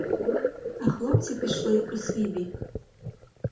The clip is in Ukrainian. А хлопці пішли у свій бік.